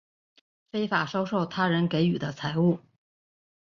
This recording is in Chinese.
非法收受他人给予的财物